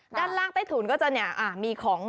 ด้านล่างใต้ถุนก็จะมีของ